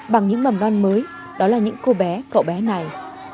bằng những mầm non mới đó là những cô bé cậu bé này